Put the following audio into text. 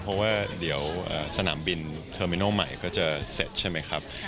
เพราะว่าเดี๋ยวสนามบินเทอร์มิโนใหม่ก็จะเสร็จใช่ไหมครับ